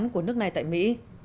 của nước này tại mỹ